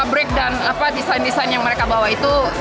break dan desain desain yang mereka bawa itu